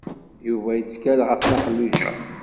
Yuba yettkal ɣef Nna Xelluǧa.